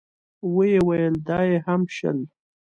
ويې ويل: دا يې هم شل.